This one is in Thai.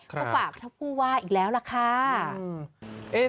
ครับขอฝากทั้งผู้ว่าอีกแล้วล่ะค่ะอืม